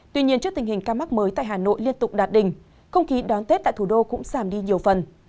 tuy nhiên trước tình hình ca mắc mới tại hà nội liên tục đạt đỉnh không khí đón tết tại thủ đô cũng giảm đi nhiều phần